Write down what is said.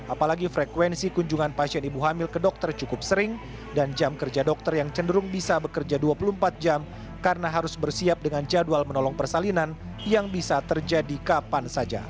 apalagi frekuensi kunjungan pasien ibu hamil ke dokter cukup sering dan jam kerja dokter yang cenderung bisa bekerja dua puluh empat jam karena harus bersiap dengan jadwal menolong persalinan yang bisa terjadi kapan saja